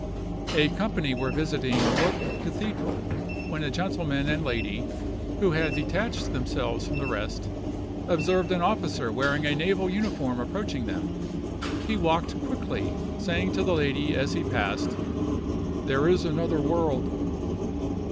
A company were visiting York cathedral, when a gentleman and lady, who had detached themselves from the rest, observed an officer wearing a naval uniform approaching them; he walked quickly, saying to the lady, as he passed, "There is another world."